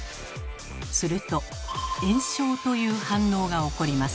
すると「炎症」という反応が起こります。